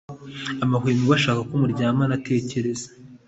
amahwemo bashaka ko muryamana tekereza